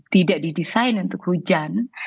tidak didesain untuk hujan